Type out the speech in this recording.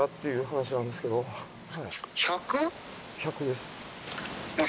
１００です。